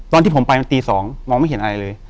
ตอนที่ผมไปมันตี๒มองไม่เห็นอะไรเลย